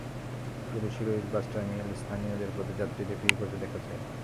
শুধু শিরোইল বাস টার্মিনালে স্থানীয় পথে যাত্রীদের ভিড় করতে দেখা যায়।